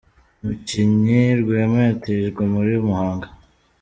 Umukinnyi Rwema yatijwe muri Muhanga